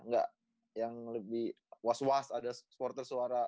nggak yang lebih was was ada supporter suara